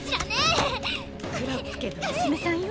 ⁉クロップ家の娘さんよ。